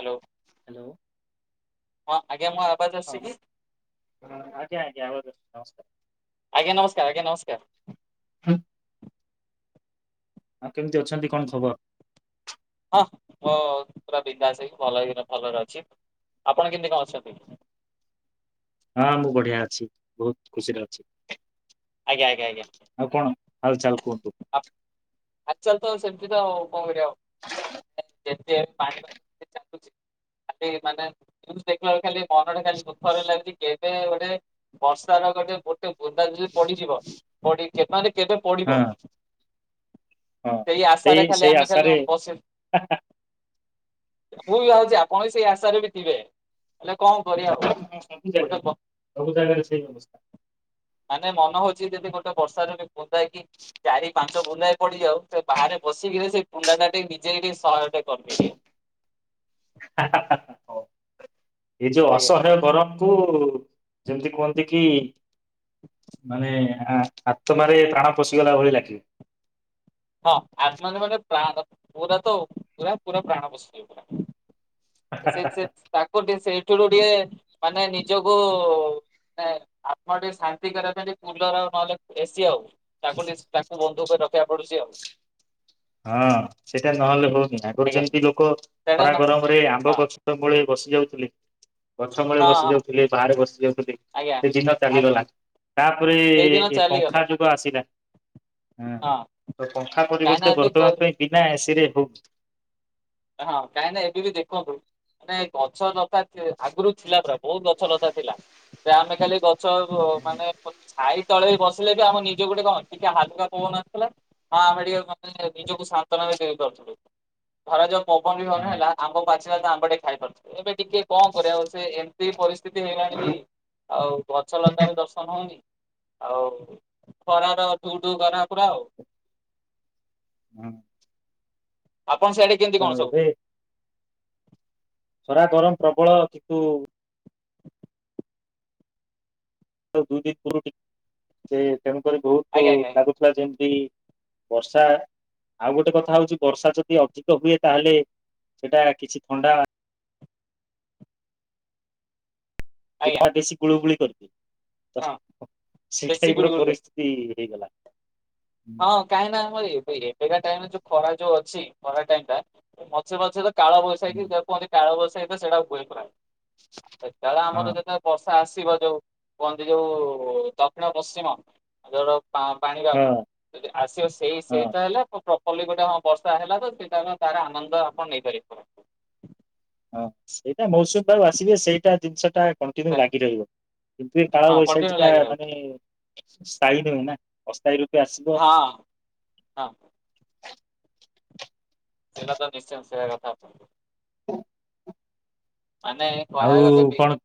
Hello. Hello. ହଁ ଆଜ୍ଞା। ମୋ ଆବାଜ ହଁ ଆସୁଛି କି? ହ ଆଜ୍ଞା ଆଜ୍ଞା ଆବା ନମସ୍କାର । ଆଜ୍ଞା ନମସ୍କାର ଆଜ୍ଞା ନମସ୍କାର। ଆଉ କେମିତି ଅଛନ୍ତି କଣ ଖବର? ହଁ ମୋ ପୁରା ବିନଦାସ ହେଇକି ଭଲ ଭଲରେ ଅଛି। ଆପଣ କେମିତି କଣ ଅଛନ୍ତି? ହଁ ମୁଁ ବଢିଆ ଅଛି ବହୁତ ଖୁସିରେ ଅଛି। ଆଜ୍ଞା ଆଜ୍ଞା ଆଜ୍ଞା ଆଉ କଣ ଆଉ ଚାଲ? କୁହନ୍ତୁ । ଆଜିକାଲି ତ ସେମିତି ତ ଆଉ କଣ କରିବା ଆଉ । ଯେତେ ପାଣି ଚା [unintelligible] ଖାଲି ମାନେ ଦେଖ ବେଳେ ଖାଲି ମନଟା ଖାଲି ଦୁଃଖର ଲାଗୁଚି କେବେ ଗୋଟେ ବର୍ଷା ର ଗୋଟେ ଗୋଟେ ବୁନ୍ଦା ଯଦି ପଡିଯିବ ପଡି ମାନ କେବେ ହଁ ପଡିବ? ହଁ। ସେଇ ଆଶାରେ ଖାଲି ସେଇ ଆମେ ଖାଲି ଆଶାରେ ବସ ମୁଁ ବି ଭାବୁଚି କଣ ସେଇ ଆଶାରେ ବି ଥିବେ ହେଲେ କଣ କରିବା ହ ହଁ, ସବୁ ଜାଗାରେ ଗୋଟେ ସବୁ ଜାଗାରେ ସେଇ ଅବସ୍ଥା ମାନେ ମନ ହଉଚି ଯଦି ଗୋଟେ ବର୍ଷା ର ବି ବୁନ୍ଦାଏ ବି ତ ଚାରି ପାଞ୍ଚ ବୁନ୍ଦାଏ ପଡିଯାଉ, ସେ ବାହାରେ ବସିକିରି ସେ ବୁନ୍ଦା ଟା ଟିକେ ନିଜେ ଟିକେ ସହାୟ ଟ କରିବେ ଟିକେ ହା ହା ହା ହା ହଁ । ଏଇ ଯଉ ଆଜ୍ଞା ଅସହାୟ ଗରମ୍ କୁ ଯେମିତି କୁହନ୍ତି କି ମାନେ ଆ ଆତ୍ମାରେ ପ୍ରାଣ ପଶିଗଲା ଭଳି ଲାଗେ। ହଁ ଆତ୍ମା ରେ ମାନେ ପ୍ରାଣ, ପୁରା ତ ପୁରା ପୁରା ପ୍ରାଣ ପଶିଯିବ ପୁରା । ସେ ସେ ସେ ତା ନ୍ତି ସେଇଠରୁୁ ଟିକେ ମାନେ ନିଜକୁ ଆତ୍ମା ଟିକେ ଶାନ୍ତି କରିବା ପାଇଁ ଟିକେ କୁଲର ଆଉ ନହେଲେ ଏସି ଆଉ ତାକୁ ଟିକ ତାକୁ ବନ୍ଧୁ କରି ରଖିବାକୁ ପଡୁଚି ଆଉ। ହଁ ସେଇଟା ନହେଲେ ହଉନି ଆଗରୁ ଆଜ୍ଞା ଯେମିତି ଲୋକ ସେଇଟା ଖରା ନ ଗରମ ରେ ଆମ୍ବ ହଁ ଗଛ ମୂଳେ ବସି ଯାଉ ଥିଲେ। ଗଛ ମୂଳେ ହଁ ବସି ହଁ ଯାଉଥିଲେ, ବାହାରେ ବସି ଯାଉଥିଲେ, ଆଜ୍ଞା। ସେ ଦିନ ଆଜ୍ଞା ଚାଲିିଗଲା। ତାପରେ ସେଇଦିନ ଏ ଚାଲିଗଲେ ପଙ୍ଖା ଯୁଗ ଆସିଲା। ହଁ ତ ପଙ୍ଖା କାହିଁକିନା ପରିବର୍ତ୍ତେ ବର୍ତ ତମ ଏବେ ପାଇଁ ବିନା ଏସିରେ ହଁ ହଁ କାହିଁକି ନା ଏବେ ବି ଦେଖନ୍ତୁ ମାନେ ଗଛ ଉ ଆଗରୁ ଥିଲା ପରା ବହୁତ ଗଛ ଲତା ଥିଲା । ବେ ଆମେ ଖାଲି ଗଛ ମାନେ ଛାଇ ତଳେ ବି ବସିଲେ ବି ଆମ ନିଜକୁ ଗୋଟେ କଣ ଟିକେ ହାଲୁକା ପଵନ ଆସୁଥିଲା ହଁ ଆମେ ଟିକେ ନିଜକୁ ସାନ୍ତୋନା ସେ କରୁଥିଲୁ ଭରାଜାଉ ପବନ ବି ନ ହଁ ହେଲା ଆମ୍ବ ପାଚି ସିରେ ଆମ୍ବ ଟେ ଖାଇପାରୁିଥିଲେ। ଏବେ ଟିକେ କଣ କରିବା ସେ ସେଇ ପରିସ୍ଥି ତି ହେଇଗଲାଣି କି ଆଉ ଗଛ ଲତା ବି ଦର୍ଶନ ହଉନି। ଆଉ ଖରାର ଢୁ ଢୁ ଖରା ପୁରା ଆଉ । ହଁ। ଆପଣ ସିଆଡେ କେମିତି ତ କଣ ସବୁ? ଏବେ ସରା ଗରମ ପ୍ରବଳ କିନ୍ତୁ ଦୁଇ ଦିନ ପୁର୍ବରୁ ଟିକେ ତେଣୁକରି ବହୁତ ଆଜ୍ଞା ଆଜ୍ଞା ଆଜ୍ଞା ଲାଗୁଥିଲା ଯେମିତି ବର୍ଷା ଆଉ ଗୋଟେ କଥା ହଉଚି ବର୍ଷା ଯଦି ଅଧିକ ହୁଏ ତାହେଲେ ସେଟା କିଛି ଥଣ୍ଡା ଆଜ୍ଞା ଯେହା ବେସି ଗୁଳୁଗୁଳି କର [inaudible] ତ, ହଁ ସେ ବେଶୀ ଟାଇପ ର ଗୁଳୁଗୁଳି ପରିସ୍ଥିତି ହେଇଗଲା। ହଁ କାଇ ନା ଆମ ଏବେ କା ଟାଇମ ଖରା ଯଉ ଅଛି ଖରା ଟାଇମ ଟା ମଝି ମଝିରେ କାଳ ବୈଶାଖୀ ଯେ କୁହନ୍ତି କାଳ ବୈ ଏବେ ସେଟାକୁ କୁହେ ପ୍ରାୟ। ସେତେଳେ ଆମର ହଁ ଯେତେବେଳେ ବର୍ଷ ଆସିବ ଯଉ କୁହନ୍ତି ଯଉ ଦକ୍ଷିଣ ପଶ୍ଚିମ ଯୋଉଟ ପା ପାଣି ହଁ ପାଗ ଯଦି ଆସିବ ସେଇ ହଁ। ସେଇଟା ହେଲେ ପ୍ର କଲି ଗୋଟେ ହଁ ବର୍ଷା ହେଲା ତ ସେଇଟା ହେ ତାର ଆନନ୍ଦ ଆପଣ ନେଇପାରିବେ। ହଁ ସେଇଟା ମୌସୁମୀ ବା ଆସିବେ ସେଇଟା ଜିନିଷ ଟା କଣ୍ଟିନ୍ୟୁ ହେଲା। ଲାଗି ରହିବ କିନ୍ତୁ ଏ ହଁ କଣ୍ଟିନ୍ୟୁ କାଳବୈଶାଖୀ ଟା ଲାଗି ରହିବ ମାନେ ସ୍ଥାୟୀ ନୁହେଁ ନା ଅସ୍ଥାୟୀ ର ହଁ ହଁ। [inaudible] ସେଇଟା ତ ନିଶ୍ଚୟ ସେଇବା କଥା। ହଁ। ମାନେ କହିବାକୁ ଆଉ ଗଲେ ବି କଣ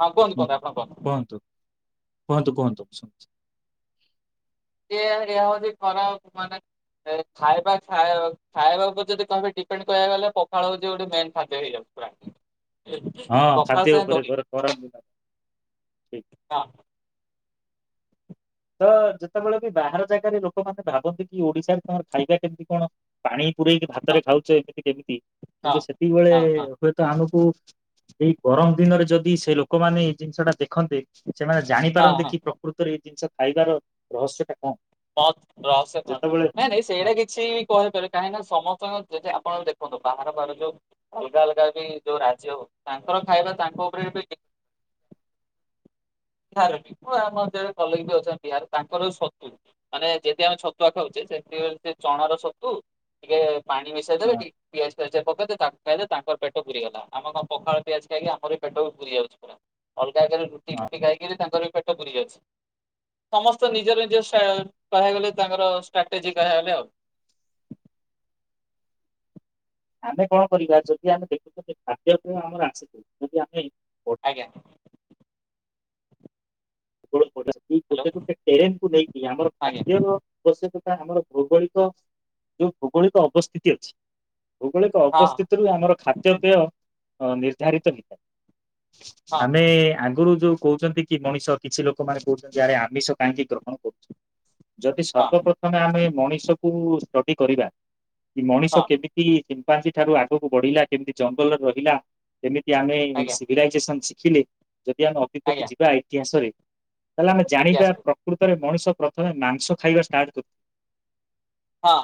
ହଁ କୁହନ୍ତୁ ହୁ କୁହନ୍ତୁ ଆପଣ କୁହନ୍ତୁ କୁହନ୍ତୁ କୁହନ୍ତୁୁ। [inaudible] ଏ ଏହା ହଉଚି ଖରାପ ମାନେ ଖାଇବା ଖାଇବା ଉପରେ ଯଦି କହିବେ ଡିପେଣ୍ଡ କକୁ ଗଲେ ପଖାଳ ହଉଛି ଗୋଟେ ମେନ୍ ଖାଦ୍ୟ ହେଇଯାଉ ପୁରା ହଁ ପଖାଳ ଖାଦ୍ୟ ସାଙ୍ଗେ ଉପରେ ଦହି ଘ କର ହଁ ତ ଯେତେବେଳେ ବି ବାହାର ଜାଗାରେ ଲୋକମାନେ ଭାବନ୍ତି କି ଓଡିଶାରେ ତମର ଖାଇବା କେମିତି କଣ ପାଣି ପୁରଇକି ହଁ ଭାତରେ ଖାଉଚେ ଏମିତି କେମିତି ହଁ। କିନ୍ତୁ ସେତିକ ବେଳେ ହଁ ହଁ ହୁଏତ ଆମକୁ ଏଇ ଗରମ ଦିନରେ ଯଦି ସେ ଲୋକମାନେ ଏଇ ଜିନିଷ ଟା ଦେଖନ୍ତେ ସେମାନେ ହଁ ଜାଣିପାରନ୍ତେ ହଁ କି ପ୍ରକୃତରେ ଜିନ ଖାଇବାର ରହସ୍ୟଟା କଣ? ର-ର-ରହସ୍ୟ କଣ? ଯେତେବେଳେ ନାଇଁ ନାଇଁ ହଁ ସେଇଟା କିଛି କହିପାରିବ କାହିଁକିନା ସମସ୍ତଙ୍କ ଯଦି ଆପଣ ଦେଖନ୍ତୁ ବାହାର ବାହାର ଯଉ ଅଲଗା ଅଲଗା ବି ଯୋଉ ରାଜ୍ୟ ତାଙ୍କର ଖାଇବା ତାଙ୍କ ଉପରେ ବି ବିହାର ବି ଆମ ଅଞ୍ଚଳ ରେ କଲେଜ ବି ଅଛନ୍ତି ବିହାର ତାଙ୍କର ସତୁ ମାନେ ଯଦି ଆମେ ଛତୁଆ ଖାଉଚେ ସେମିତି ସେ ଚଣାର ସତୁ ଟିକେ ପାଣି ମିଶେଇଦେବେ ହଁ ଟିକେ ପିଆଜ ଫିଆଜ ଟିକେ ପକେଇଦେ ତାକୁ ଖାଇଲେ ତାଙ୍କର ପେଟ ପୁରିଗଲା। ଆମ କଣ ପଖାଳ ପିଆଜ ଖାଇକି ଆମର ପେଟ ପୁରି ଯାଉଚି ପୁରା। ଅଲ୍ ଅଲଗା ଜାଗାରେ ରୁଟି ହଁ ଫୁଟି ଖାଇ ତାଙ୍କର ବି ପେଟ ପୁରି ଯାଉଚି। ସମସ୍ତେ ନିଜ ନିଜ ସା କହିବାକୁ ଗଲେ ତାଙ୍କର। ଷ୍ଟାଟେଜି କହିବାକୁ ଗଲେ ଆଉ। ଆମେ କଣ କରିବା ଯଦି ଆମେ ଦେଖୁଚନ୍ତି ଖାଦ୍ୟ ପାଇଁ ଆମର ଆସଛି ଯଦି ଆମେ ଆଜ୍ଞା। ବହୁତ୍ ବଢିଆ ସେ ଏଇ ହ୍ୟାଲୋ ଗୋଟେ ଗୋଟେ ଟେରନକୁୁ ନେଇକି ଆମର ଆଜ୍ଞା ଖାଦ୍ୟ ର ପୋଷକ ଆମର ଭୌଗୋଳିକ ଯୋଉ ଭୌଗୋଳିକ ଅବସ୍ଥିତି ଅଛି। ଭୌଗୋଳିକ ହଁ ଅବସ୍ଥିତିରୁ ଆମର ଖାଦ୍ୟପେୟ। ଅ ନିର୍ଦ୍ଧାରିତ ହେଇଥାଏ। ହଁ ଆମେ ଆଗରୁ ଯୋଉ କହୁଚନ୍ତି କି ମଣିଷ। କିଛି ଲୋକମାନେ କହୁଚନ୍ତି ଆରେ ଆମିଷ କାହିଁକି ଗ୍ରହଣ କରୁଚ? ଯଦି ହଁ ସର୍ବପ୍ରଥମେ ଆମେ ମଣିଷ କୁ ଷ୍ଟଡି କରିବା। ମଣିଷ ହଁ କେମିତି? ସିମ୍ପାଜି ଠାରୁ ଆଗକୁ ବଢିଲା କେମିତି ଜଙ୍ଗଲରେ ରହିଲା। ଯେମିତି ଆମେ ଆଜ୍ଞା ସିଭିଲାଇଜେସନ ଶି ଖିଲି। ଯଦି ଆମେ ଅତୀତକୁ ଆଜ୍ଞା ଯିବା ଇତିହାସରେ ତାହେଲେ ଆମେ ଜାଣିବା ଇତିହାସ ପ୍ରକୃତରେ ମଣିଷ ପ୍ର ତମେ ମାଂସ ଖାଇବା ଷ୍ଟାର୍ଟ କରୁ। ହଁ।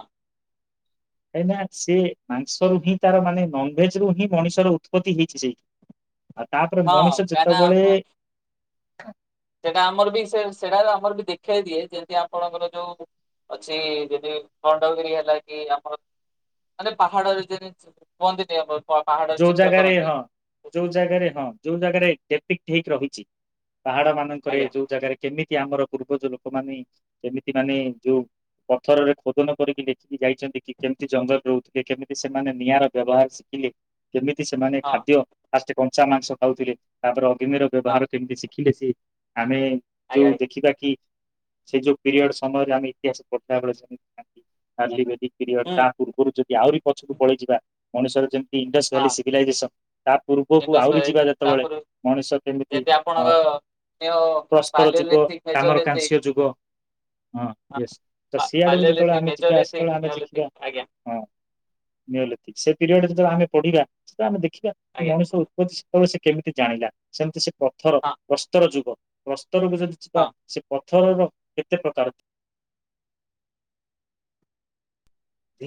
କାଇଁନା ସେ ମାଂସ ରୁ ହିଁ ତାର ମାନେ ନନଭେଜ ରୁ ହିଁ ମଣିଷର ଉତ୍ପତ୍ତି ହେଇଛି ସେଇଠି। ଆଉ ତାପରେ ହଁ ମଣିଷ କାହିଁକିନା ଯେତେବେଳେ ଆମ ହଁ। ସେଟା ଆମର ବି ସେ ସେଟାର ଆମର ବି ଦେଖେଇ ଦିଏ ଯେମିତି ଆପଣଙ୍କର ଯଉ ଅଛି ଯେମତି ଖଣ୍ଡଗିରି ହେଲା କି ଆମର ମାନେ ପାହାଡରେ ଯେ କୁହନ୍ତିନି ଆମର। ପାହାଡର ଯଉ ଚିତ୍ର ଜାଗାରେ କରନ୍ତି। ହଁ ଯଉ ଜାଗାରେ ହଁ ଯଉ ଜାଗାରେ କେ ଠିକ୍ ଠିକ୍ ରହିଚି। ପାହାଡ ମାନଙ୍କରେ ଆଜ୍ଞା ଯଉ ଜାଗାରେ କେମିତି କି ଆମର ପୂର୍ବ ଯ ଲୋକମାନେେ କେମିତି ମାନେ ଯଉ ପଥରରେ ଖୋଦନ କରିକି ଦେେଖିକି ଯାଇଛନ୍ତି କି କେମିତି ଜଙ୍ଗଲରେ ରହୁଥିଲେ କେମିତି ସେମାନେ ନିଆଁର ବ୍ୟବହାର ଶିଖିଲେ କେମିତି ସେମାନେ ହଁ ଖାଦ୍ୟ ଫାଷ୍ଟ କଞ୍ଚା ମାଂସ ଖାଉଥିଲେ ତାପରେ ଗିନିର ହଁ ବ୍ୟବହାର କେମିତି ସି ଠିକ ଅଛି। ଆମେ ଯଉ ଆଜ୍ଞା ଦେଖିବା କି ସେ ଯଉ ପିରିୟଡ ସମୟରେ ଆମେ ଇତିହାସ ପଢଥିଲା ବଳେ [unintelligible] ପିରିୟଡ୍ ହୁଁ ତା ପୂର୍ବରୁ ଯଦି ଆହୁରି ପଛକୁ ପଳେଇଯିବା ମଣିଷର ଯେ ଇଣ୍ଡସ ହଁ ଭାଲି ସିଭିଲାଇଜେସନ ତା ପୂର୍ବକୁ ଇଣ୍ଡସ୍ ଆହୁରି ଭ୍ୟାଲି। ଯିବା ଯେତେବେଳେ ତାପରେ ମଣିଷ କେମିତି ଯେମିତି ଆପଣଙ୍କ ଅ ନିଓ ପ୍ରସ୍ତର ଯୁଗ ପାଲିଓଲିଥିକ କାମର ମେଜୋଲିଥିକ କାଂସ୍ୟ ଯୁଗ ହଁ। ୟେସ ତ ପା ସି ଆଡକୁ ଯେତେଳେ ପାଲିଓଲିଥିକ ଆମେ ଯିବା ମେଜୋଲିଥିକ ସେତବେଳେ ଆମେ ଦେଖିବା ନିଓଲିଥିକ ଆଜ୍ଞା ହଁ ସେ ପିରିୟଡ଼ ରେ ଯେତେବେଳେ ଆମେ ପଢିବା ସେ ଆମେ ଦେଖିବା ଶିକ୍ ବା କି ଆଜ୍ଞା ମଣିଷ ଉତ୍ପତ୍ତି ବଳୁ ସେ କେମିତି ଜାଣିଲା, ସେମିତି ସ ପଥର ହଁ ବସ୍ତର ଯୁଗ ବସ୍ ଯଦି ହଁ ସେ ଥରର କେତେ ପ୍ରକାର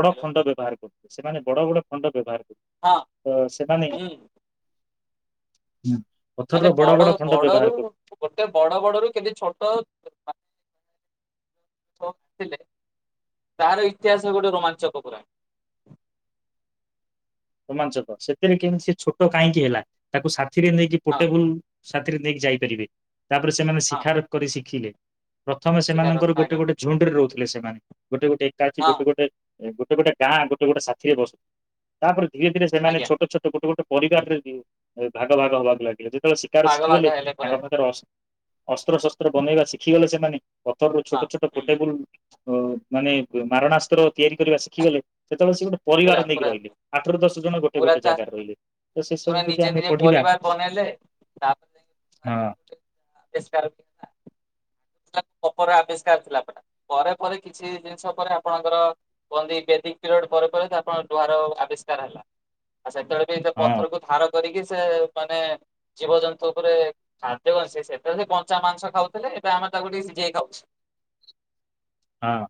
ବଡ଼ ହ୍ୟାଲୋ ଖଣ୍ଡ ବ୍ୟବହାର କରୁ। ସେମାନେ ବଡ ବଡ ଖଣ୍ଡ ବ୍ୟବହାର ହଁ ତ ସେଟା ନେଇ ହୁଁ ମାନେ ବଡ ଖଣ୍ଡ ବଡରୁ ବ୍ୟବହାର କରୁ ଗୋଟେ ବଡ ବଡରୁ କେନ୍ତି ଛୋଟ ଥିଲେ ତହାର ଇତିହାସ ଗୋଟେ ରୋମାଞ୍ଚକ ପା ରୋମାଞ୍ଚକ ସେଥିରେ କେମତି ସେ ଛୋଟ କାହିଁକି ହେଲା ତାକୁ ସେଥିରେ ନେଇକି ହଁ ପୋଟେବଲ ସାଥିରେ ନେଇକି ଯାଇପାରିବେ ତାପରେ ସେମାନେ ହଁ ଶିଖାରତ୍ କରି ଶିଖିଲେ ପ୍ରଥମେ ଶିକାର ରଥ ସେମାନଙ୍କର ଗୋଟେ ଆଜ୍ଞା ଗୋଟେ ଝୁଣ୍ଡରେ ରହୁ ଲେ ସେମାନେ ଗୋଟେ ଗୋଟେ ଏକା ଅଛି ହଁ ଗୋ ଗୋଟେ ଗୋଟେ ଗୋଟେ ଗାଁ ଗୋଟେ ଗୋଟେ ସାଥିରେ ବସୁ ତାପରେ ଧୀରେ ଧୀରେ ସେମାନେ ଆଜ୍ଞା ଛୋଟ ଛୋଟ ଗୋଟେ ଗୋଟେ ପରିବାରରେ ଦିଏ। ଭାଗ ଭାଗ ହବାକୁ ଲାଗିଲେ ଯେ କେତେବେଳେ ଶିକାର ପାଗଳ ଆଗ ଶିଖିଗଲେ ହେଲେ ପୁରା ତାଙ୍କ ପାଖରେ ଅ ଅସ୍ତ୍ର ଶସ୍ତ୍ର ବନେଇବା ଶିଖିଗଲେ ସେମାନେ ପଥର ହଁ ଛୋଟ ଛୋଟ ହୁଁ ଗୋଟେବୁଲ ମାନେ ମାରଣାସ୍ତ୍ର ତିଆରି କରିବା ଶିଖିଗଲେ ଯେତେଳେ ସେ ଗୋଟେ ପୁରା ପରିବାର ନେଇକି ପୁରା ରହିଲେ। ଆଠର ଦଶ ଜଣ ଗୋଟେ ଗୋଟେ ଜାଗାରେ ରହିଲେ। ତ ସେ ସବୁ ପୁଣି ଯଦି ନିଜେ ଆମେ ନିଜେ ପଢିବା ପରିବାର ବନେଇଲେ ତାପ ତା ହଁ କପର ଆବିଷ୍କାର ଥିଲା ପା ପରେ ପରେ କିଛି ଜିନିଷ ପରେ ଆପଣଙ୍କର ପରେ ପରେ ଆପଣଙ୍କ ଡୁଆର ଆବିଷ୍କାର ହେଲା। ଆଉ ସେତେବେଳେ ବି ସେ ହଁ ପଥରକୁ ଧାର କରିକି ସେ ମାନେ ଜୀବଜନ୍ତୁ ଉପରେ ଖାଦ୍ୟ ଅ ସେ ସେଥି ସେ କଞ୍ଚା ମାଂସ ଖାଉଥିଲେ ମ ତା ଗୋଠିକ ଯ କାଉଛି ହୁଁ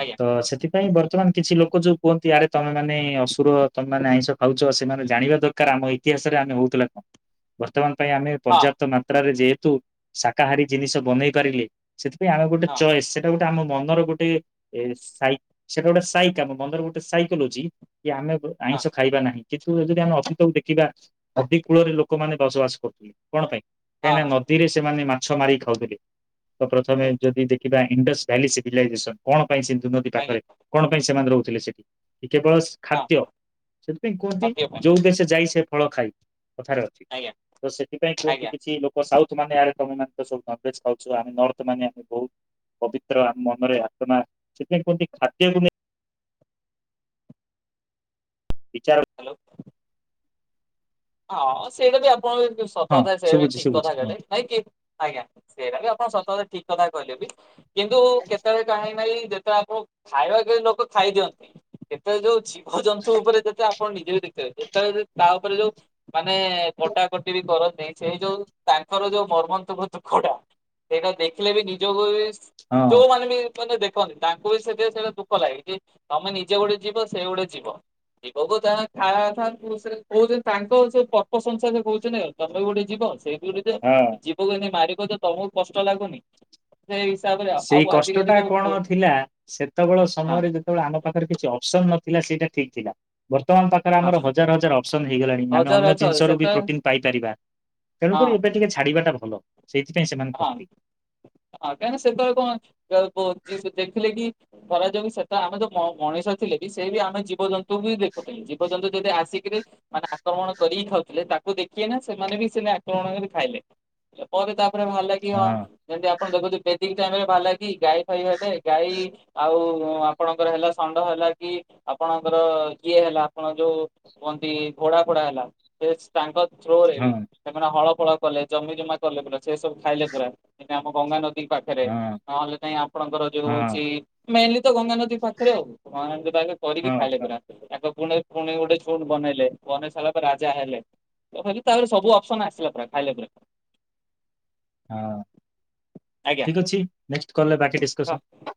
ଆଜ୍ଞା ତ ସେଥିପାଇଁ ବର୍ତ୍ତମାନ କିଛି ଲୋକ ଲୋକ ଯୋଉ କୁହନ୍ତି ଆରେ ତମେ ମାନେ ଅସୁର ତମୋନେ ଆଇଁଷ ଖାଉଛ ସେମାନେ ଜାଣିବା ଦରକାର ଆମ ଇତିହାସରେ ଆମେ ହଉଥିଲା କଣ ବର୍ତ୍ତମାନ ପାଇଁ ହଁ। ଆମେର୍ଯପ୍ତ ମାତ୍ରାରେ ଯେହତ ଶାକାହାରୀ ଜିନିଷ ବନେଇ ପାରିଲେ। ସେଥିପାଇଁ ଆମେ ଗୋଟେ ହଁ ଚଏସ ଆମ ମନର ଗୋଟେ ସାଇ ସେଇଟା ଗୋଟେ ସାଇକ୍ ଆମ ମନର ଗୋଟେ ସାଇକୋଲୋଜି କି ଆମେ ହଁ ଆଇଁଷ ଖାଇବା ନାହିଁ କି? ତୁ ଯଦି ଆମେ ଅସତକୁ ଦେଖିବା ନଦି କୂଳରେ ଲୋକମାନେ ବସବାସ କରୁଥିଲେ। କଣ ପାଇଁ କାହିଁକି ହଁ ନା ହଁ ନଦୀରେ ସେମାନେ ମା ମାଛ ମାରିକି ଖାଉଥିଲଥିଲେ। ତ ପ୍ରଥମେ ଯଦି ଦେଖିବା। ଇଣ୍ଡସ୍ ଭ୍ୟାଲି ସିଭିଲାଇଜେସନ କଣ? ପାଇଁ ସିନ୍ଧୁ ନଦୀ ଆଜ୍ଞା ପାଖରେ କଣ ପାଇଁ ସେମାନେ ରହୁ ଥିଲେ ସେଠି। କେବଳ ହଁ ଖାଦ୍ୟ ସେଥିପାଇଁ କୁହନ୍ତି ସତ୍ୟ ପାଇଁ ଯୋଉ ଦେଶ ଯାଇ ସେ ଫଳ ଖାଇ କଥାରେ ଅଛି ଆଜ୍ଞା ତ ସେଥିପାଇଁ କୁହନ୍ତି ଆଜ୍ଞା କିଛି ଲୋକ ସାଉଥ ମାନେ ଆର [unintelligible] ଖାଉଛୁ ଆମେ ନଥ ମାନେ ଆମେ ବହୁତ ପବିତ୍ର ଆମ ମନରେ ଆଥନା ସେଥିପାଇଁ କୁହନ୍ତି ଖାଦ୍ୟକୁ ନେଇ ବିଚାର ହ୍ୟାଲୋ ହଁ ସେଟା ବି ଆପଣ ସତ ହଁ କଥା ସେଇଟା ବି ଶୁଭୁଛି ଠିକ ଶୁଭୁଛି କଥା କହିଲେ କୁହନ୍ତୁ ନାଇଁ କି ଆଜ୍ଞା ସେଇଟା ବି ଆପଣ ସତ କତା ଠିକ କଥା କହିଲେ ବି କିନ୍ତୁ କେତେବେଳେ କାହିଁ ନାଇଁ ଯେତେବେଳେ ଆପଣ ଖାଇବା କେ ଲୋକ ଖାଇଦିଅନ୍ତି। ଯେତେବେଳେ ଯୋଉ ଅଛି ଭଜନ୍ତୁ ଉପରେ ଯେତେ ଆପଣ ନିଜେ ବି ଦେଖିଥିବେ ଯେତେବେଳେ ତା ଉପରେ ଯୋଉ ମାନେ କଟାକଟି ବି କରନ୍ ସେଇ ଯୋଉ ତାଙ୍କର ଯୋଉ ମର୍ମନ୍ତକ ଦୁଃଖ ଟା ସେଇଟା ଦେଖିଲେ ବି ନିଜକୁ ବି ହଁ ଯଉ ମାନେ ବି ମାନେ ଦେଖନି ତାଙ୍କୁ ବି ସେ ସେଇଟା ଦୁଃଖ ଲାଗେ। ତମେ ନିଜେ ଗୋଟେ ଜିବ ସେଇ ଗୋଟେ ଜିବ ଜିବକୁ ତା [unintelligible] ପା ସେ ପର୍ପ ସଂସାର କହୁଛ ନାଇ ଆଉ ତମ ବି ଗୋଟେ ଜିବ ସେଇ ହଁ [unintelligible] ଜିବକୁ ଏମିତି ମାରି କଛ ତମକୁ କଷ୍ଟ ଲାଗୁନି। ସେ ହିସାବରେ ଆଉ ସେଇ ଆଉ କଷ୍ଟ ଆଜିକାଲି ଟା ଯୋଉ କଣ ହଁ ଥିଲା। ସେତେବେଳେ ସମୟରେ ଯେତେବେଳେ ଆମ ପାଖରେ କିଛି ଅପସନ ନ ଥିଲା ସେଇଟା ଠିକ୍ ଥିଲା। ବର୍ତ୍ତମାନ ପାଖରେ ଆମର ହଁ ହଜାର ହଜାର ଅପସନ୍ ହେଇଗଲାଣି। ଆମେ ହଜାର ଅନ୍ୟ ଅଛ ଜିନିଷରୁ ବି ସେତେବେଳେ ପ୍ରୋଟିନ୍ ପାଇପାରିବା। ତେଣୁକରି ହଁ ଏବେ ଟିକେ ଛାଡ଼ିବାଟା ଭଲ। ସେଇଥିପାଇଁ ସେମାନ ହଁ କଟି ହଁ କାହିଁକିନା ସେତେବେଳେ କଣ [unintelligible] ଦେଖିଲେ କି କରାଯୋଉ ସେଟା ଆମେ ଯୋଉ ମଣିଷ ଥିଲେ ବି ସେ ବି ଆମେ ଜୀବଜନ୍ତୁଙ୍କୁ ବି ଦେଖୁଥିଲେ ଜୀବଜନ୍ତୁ ଯଦି ଆସିକିରି ମାନେ ଆକ୍ରମଣ କରିକି ଖାଉଥିଲେ ତାକୁ ଦେଖିେ ନା ସେମାନେ ବି ସେ ଆକ୍ରମଣ କରି ଖାଇଲେ। ପରେ ତା ଭଲ ଲାଗି ହଁ ଯେମିତି ଆପଣ ଦେଖୁଥିବେ ଠିକ ଟାଇମ ରେ ବାହାରିଲା କି ଗାଈ ଖାଇବାଟେ ଗାଈ ଆଉ ଆପଣଙ୍କର ହେଲା ଷଢ ହେଲା କି ଆପଣଙ୍କର ଇଏ ହେଲା ଆପଣ ଯୋଉ କୁହନ୍ତି ଘୋଡା ଫୋଡା ହେଲା ସେ ତାଙ୍କ ଥ୍ରୁ ରେ ବି ହଁ ସେମାନେ ହଳ ହଳ କଲେ ଜମି ଜମା କଲେ ପୁରା ସେ ସବୁ ଖାଇଲେ ପରା ଏବେ ଆମ ଗଙ୍ଗା ନଦୀ ପାଖରେ ହଁ ନହେଲେ ନାଇ ଆପଣଙ୍କର ଯୋଉ ହଉଛି ହଁ ମେନଲି ତ ଗଙ୍ଗ ନଦୀ ପାଖରେ ଆଉ। ହଁ ଏମିତି କରିକି ଖାଇଲେ ହଁ ପୁରା। ପୁଣି ଗୋଟେ ସୁଟ ବନେଇଲେ। ବନେଇ ସାରିଲା ପରେ ରାଜା ହେଲେ ତ କହିଲି ସବୁ ଅପସନ ଆସିଲା ପୁରା ଖାଇଲେ ପୁରା। ହଁ ଆଜ୍ଞା ଠିକ ଅଛି ନ କଲେ ବାକି ଡିସ୍କସନ୍।